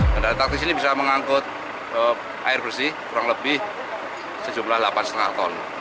kendaraan taktis ini bisa mengangkut air bersih kurang lebih sejumlah delapan lima ton